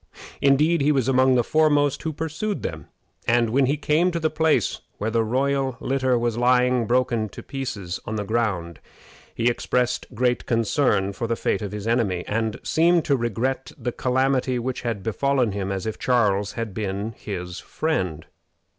Indeed, he was among the foremost who pursued them; and when he came to the place where the royal litter was lying, broken to pieces, on the ground, he expressed great concern for the fate of his enemy, and seemed to regret the calamity which had befallen him as if Charles had been his friend.